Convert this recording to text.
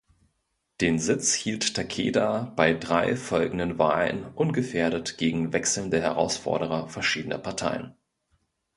Den Sitz hielt Takeda bei drei folgenden Wahlen ungefährdet gegen wechselnde Herausforderer verschiedener Parteien.